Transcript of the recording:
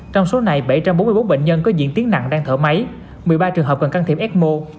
trong số này bảy trăm bốn mươi bốn bệnh nhân có diễn tiến nặng đang thở máy một mươi ba trường hợp cần can thiệp ecmo